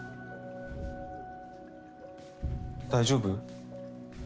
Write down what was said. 大丈夫？